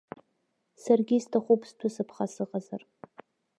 Саргьы исҭахуп сҭәы-сыԥха сыҟазар.